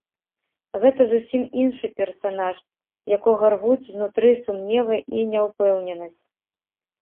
Гэта зусім іншы персанаж, якога рвуць знутры сумневы і няўпэўненасць.